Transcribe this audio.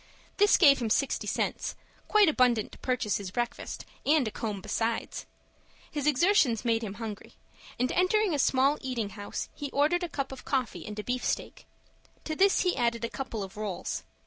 This gave him sixty cents, quite abundant to purchase his breakfast, and a comb besides. His exertions made him hungry, and, entering a small eating house he ordered a cup of coffee and a beefsteak. To this he added a couple of rolls.